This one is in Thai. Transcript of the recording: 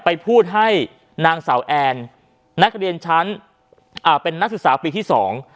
ไปพูดให้นางสาวแอนนักเรียนชั้นอ่าเป็นนักศึกษาปีที่สอง